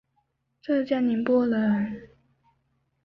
浙江宁波人。